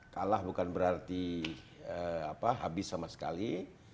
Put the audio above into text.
kalah bukan berarti habis sama sekali